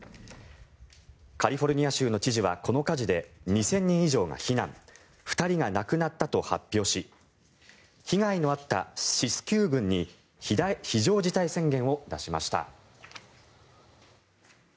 カリフォルニア州の知事はこの火事で２０００人以上が避難２人が亡くなったと発表し被害の遭ったシスキュー郡に非常事態宣言を出しました。